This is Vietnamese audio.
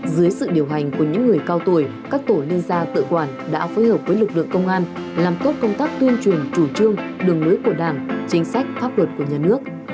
dưới sự điều hành của những người cao tuổi các tổ liên gia tự quản đã phối hợp với lực lượng công an làm tốt công tác tuyên truyền chủ trương đường lối của đảng chính sách pháp luật của nhà nước